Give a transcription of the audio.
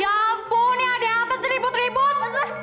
ya ampun nih ada apa ceribut ribut